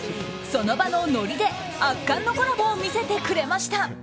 その場のノリで圧巻のコラボを見せてくれました。